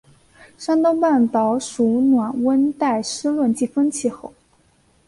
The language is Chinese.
山东半岛属暖温带湿润季风气候。